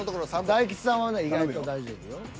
大吉さんは意外と大丈夫よ。